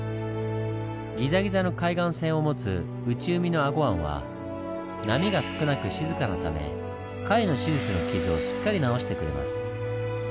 ギザギザの海岸線を持つ内海の英虞湾は波が少なく静かなため貝の手術の傷をしっかり治してくれます。